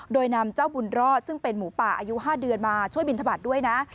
โดยนำเจ้าบุญรอดซึ่งเป็นหมูป่าอายุ๕เดือนมาช่วยบินทบาทด้วยนะ